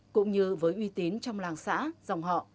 cũng như với uy tín trong làng xã dòng họ